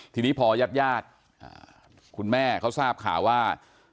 ทีนี้พอญาติคุณแม่เขาทราบข่าวว่า